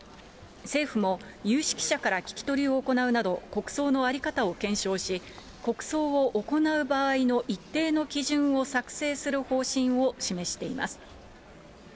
政府も有識者から聞き取りを行うなど、国葬の在り方を検証し、国葬を行う場合の一定の基準を作成する方針を示しています。